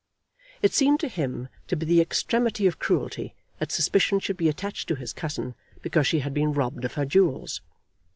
It seemed to him to be the extremity of cruelty that suspicion should be attached to his cousin because she had been robbed of her jewels.